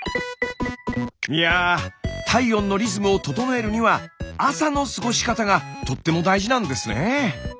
いや体温のリズムを整えるには朝の過ごし方がとっても大事なんですね。